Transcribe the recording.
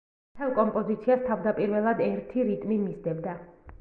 მთელ კომპოზიციას თავდაპირველად ერთი რიტმი მისდევდა.